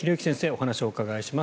お話をお伺いします。